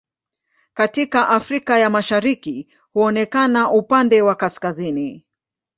Katika Afrika ya Mashariki huonekana upande wa kaskazini.